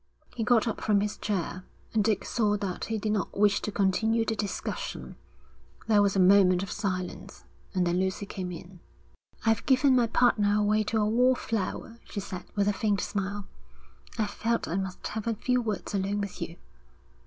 He got up from his chair, and Dick saw that he did not wish to continue the discussion. There was a moment of silence, and then Lucy came in. 'I've given my partner away to a wall flower,' she said, with a faint smile. 'I felt I must have a few words alone with you.'